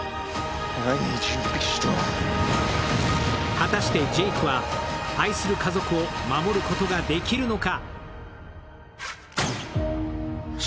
果たしてジェイクは愛する家族を守ることができるのか。